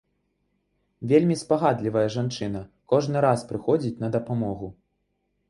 Вельмі спагадлівая жанчына, кожны раз прыходзіць на дапамогу.